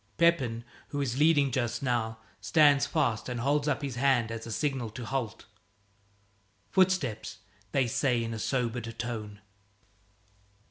Pepin, who is leading just now, stands fast and holds up his hand as a signal to halt. "Footsteps," they say in a sobered tone.